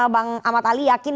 bang ahmad ali yakin